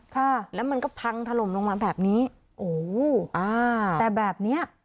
ค่ะแล้วมันก็พังถล่มลงมาแบบนี้โอ้โหอ่าแต่แบบเนี้ย